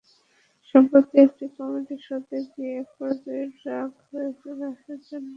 সম্প্রতি একটি কমেডি শোতে গিয়ে একপর্যায়ে রাগ করে চলে আসেন জন।